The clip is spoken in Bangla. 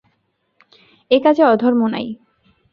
এ কাজে অধর্ম নাই।